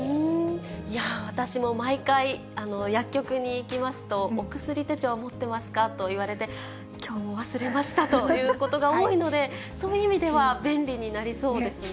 私も毎回、薬局に行きますと、お薬手帳は持ってますか？と言われて、きょう忘れましたということが多いので、そういう意味では便利になりそうですね。